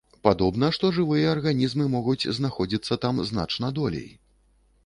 Падобна, што жывыя арганізмы могуць знаходзіцца там значна долей.